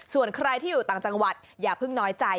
ส่วนใครที่อยู่ต่างจังหวัดอย่าเพิ่งน้อยใจ